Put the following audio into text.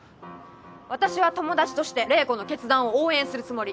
私は友達として怜子の決断を応援するつもり！